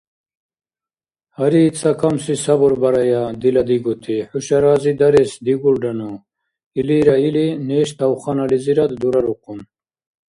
– Гьари, цакамси сабурбарая, дила дигути, хӀуша разидарес дигулрану, – илира или, неш тавханализирад дурарухъун.